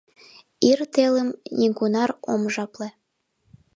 Ир телым нигунар ом жапле.